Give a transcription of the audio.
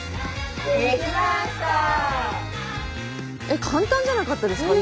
えっ簡単じゃなかったですか？